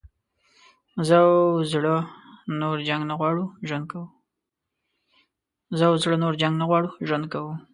زه او زړه نور جنګ نه غواړو ژوند کوو.